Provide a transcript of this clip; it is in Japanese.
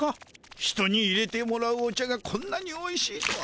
人にいれてもらうお茶がこんなにおいしいとは。